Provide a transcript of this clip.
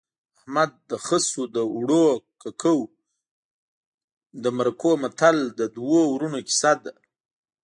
احمد د خسو د اوړو ککو د مرکو متل د دوو ورونو کیسه ده